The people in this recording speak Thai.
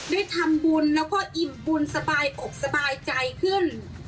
ได้ทำบุญแล้วก็อิ่มบุญสบายอกสบายใจขึ้น